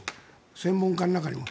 専門家の中にも。